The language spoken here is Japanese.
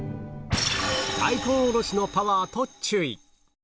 大根おろしのパワーと注意！